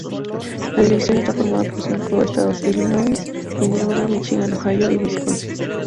La división está formada por cinco estados: Illinois, Indiana, Míchigan, Ohio, y Wisconsin.